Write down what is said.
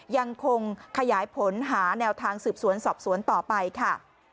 ยังคงขยายผลหาแนวทางสืบสวนสอบสวนต่อไปค่ะ